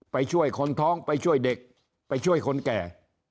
ไปช่วยคนท้องไปช่วยเด็กไปช่วยคนแก่